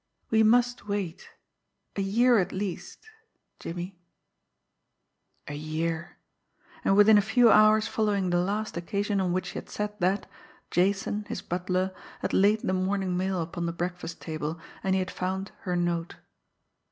We must wait a year at least Jimmie." A year! And within a few hours following the last occasion on which she had said that, Jason, his butler, had laid the morning mail upon the breakfast table, and he had found her note.